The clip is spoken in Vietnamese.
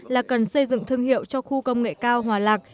là cần xây dựng thương hiệu cho khu công nghệ cao hòa lạc